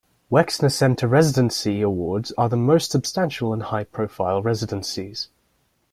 Wexner Center Residency Awards are their most substantial and high-profile residencies.